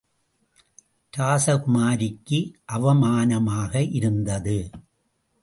ராசகுமாரிக்கு அவமானமாக இருந்தது.